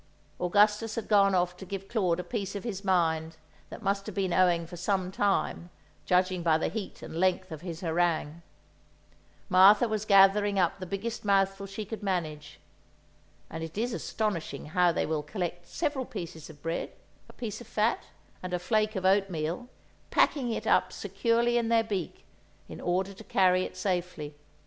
Augustus had gone off to give Claude a piece of his mind that must have been owing for some time, judging by the heat and length of his harangue; Martha was gathering up the biggest mouthful she could manage (and it is astonishing how they will collect several pieces of bread, a piece of fat and a flake of oatmeal, packing it up securely in their beak, in order to carry it safely).